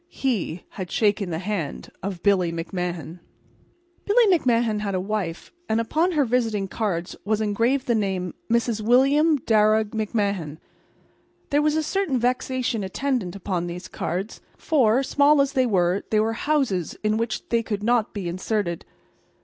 He had shaken the hand of Billy McMahan. Billy McMahan had a wife, and upon her visiting cards was engraved the name "Mrs. William Darragh McMahan." And there was a certain vexation attendant upon these cards; for, small as they were, there were houses in which they could not be inserted.